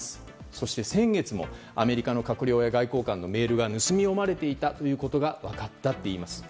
そして先月もアメリカの閣僚や外交官のメールが盗み読まれていたことが分かったといいます。